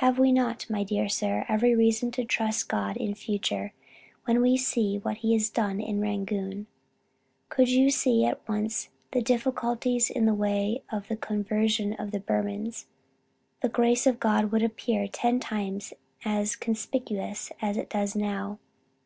Have we not, my dear sir, every reason to trust God in future, when we see what he has done in Rangoon. Could you see at once the difficulties in the way of the conversion of the Burmans, the grace of God would appear ten times as conspicuous as it now does.